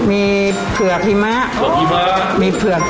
แล้วเป็นเจ้าของแล้วด้วย